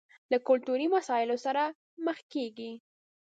له کلتوري مسايلو سره مخ کېږي.